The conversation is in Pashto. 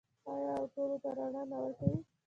آیا او ټولو ته رڼا نه ورکوي؟